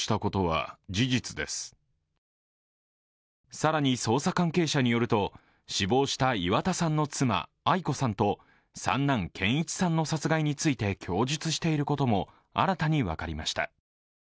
更に、捜査関係者によると死亡した岩田さんの妻アイ子さんと三男・健一さんの殺害について供述していることも新たに分かりました。